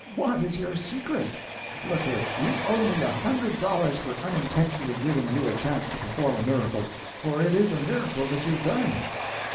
What is your secret? Look here; you owe me a hundred dollars for unintentionally giving you a chance to perform a miracle for it is a miracle that you've done."